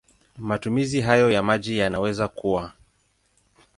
Matumizi hayo ya maji yanaweza kuwa